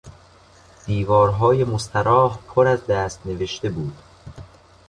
دیوارهای مستراح پراز دست نوشته بود.